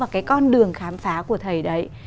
và cái con đường khám phá của thầy đấy